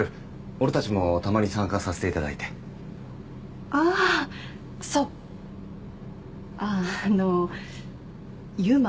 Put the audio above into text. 俺たちもたまに参加させていただいてああーそうあの悠馬